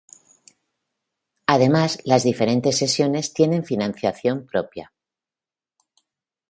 Además, las diferentes sesiones tienen financiación propia.